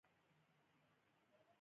د بانټو د واکونو قانون تصویب کړ.